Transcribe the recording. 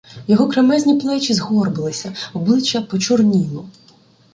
Його кремезні плечі згорбилися, обличчя почорніло.